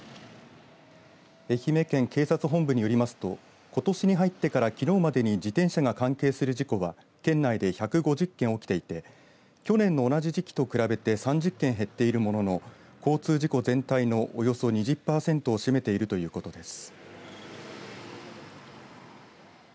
愛媛県警察本部によりますとことしに入ってからきのうまでに自転車が関係する事故は県内で１５０件起きていて去年の同じ時期と比べて３０件減っているものの交通事故全体のおよそ２０パーセントを占めているということです。